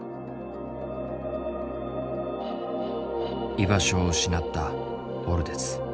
居場所を失ったオルデツ。